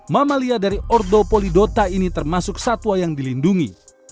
mamalia dari ordo polidota ini termasuk satwa yang dilindungi